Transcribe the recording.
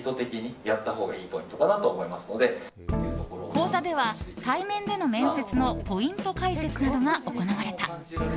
講座では対面での面接のポイント解説などが行われた。